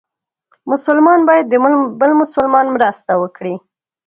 مسلمان باید د بل مسلمان مرسته وکړي.